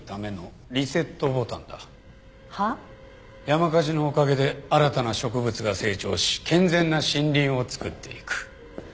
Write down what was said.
山火事のおかげで新たな植物が成長し健全な森林を作っていく。